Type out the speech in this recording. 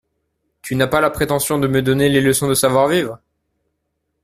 Tu n'as pas la prétention de me donner les leçons de savoir-vivre ?